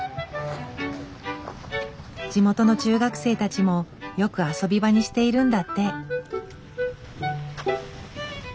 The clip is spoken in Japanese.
地元の中学生たちもよく遊び場にしているんだって。